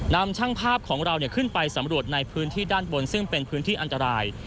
นำช่างภาพของเราขึ้นไปสำรวจในพื้นที่ด้านบนซึ่งเป็นพื้นที่อันตราย